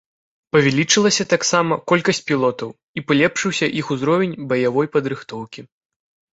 Павялічылася таксама колькасць пілотаў і палепшыўся іх узровень баявой падрыхтоўкі.